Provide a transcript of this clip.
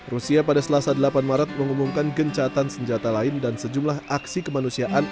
rusia pada selasa delapan maret mengumumkan gencatan senjata lain dan sejumlah aksi kemanusiaan